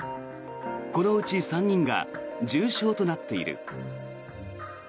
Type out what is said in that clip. このうち３人が重症となっている。